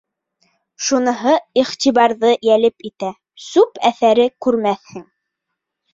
Шуныһы иғтибарҙы йәлеп итә: сүп әҫәре күрмәҫһең.